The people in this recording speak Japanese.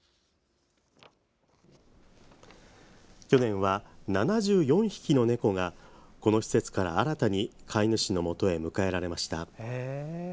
去年は７４匹の猫がこの施設から新たに飼い主のもとへ迎えられました。